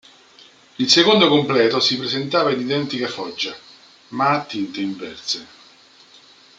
Il secondo completo si presentava in identica foggia, ma a tinte inverse.